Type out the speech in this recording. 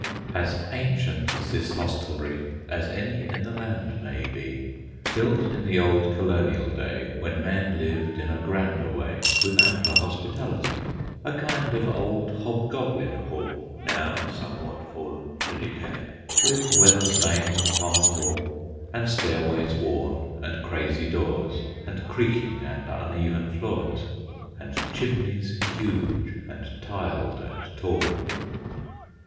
As ancient is this hostelry As any in the land may be, Built in the old Colonial day, When men lived in a grander way, With ampler hospitality; A kind of old Hobgoblin Hall, Now somewhat fallen to decay, With weather stains upon the wall, And stairways worn, and crazy doors, And creaking and uneven floors, And chimneys huge, and tiled and tall.